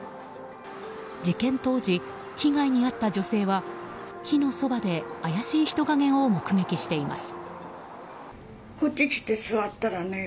事件当時、被害に遭った女性は火のそばで、怪しい人影を目撃しています。